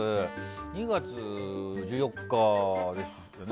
２月１４日ですよね。